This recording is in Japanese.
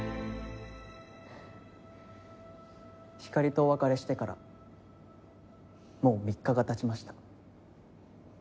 ひかりとお別れしてからもう３日がたちました。